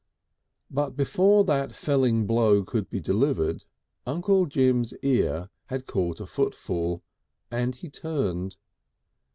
But before that felling blow could be delivered Uncle Jim's ear had caught a footfall, and he turned.